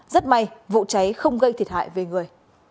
rất may vụ cháy không gây thiệt hại về người